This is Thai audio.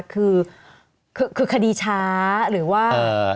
คือคดีช้าหรือว่า